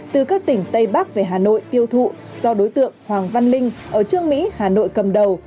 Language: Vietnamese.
từ các tỉnh tây bắc về hà nội tiêu thụ do đối tượng hoàng văn linh ở trương mỹ hà nội cầm đầu